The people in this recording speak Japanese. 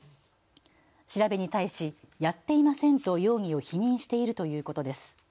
調べに対し、やってませんと容疑を否認しているということです。